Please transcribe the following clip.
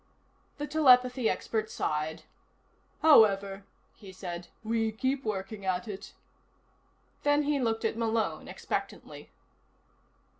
The telepathy expert sighed. "However," he said, "we keep working at it." Then he looked at Malone expectantly.